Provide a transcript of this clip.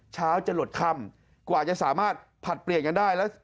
เช้าจะหลดค่ำกว่าจะสามารถผลัดเปลี่ยนกันได้แล้ว